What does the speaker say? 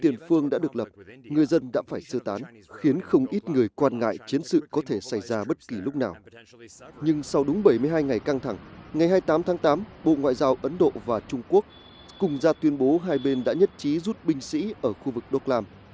nhưng sau đúng bảy mươi hai ngày căng thẳng ngày hai mươi tám tháng tám bộ ngoại giao ấn độ và trung quốc cùng ra tuyên bố hai bên đã nhất trí rút binh sĩ ở khu vực doglam